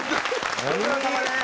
ご苦労さまです！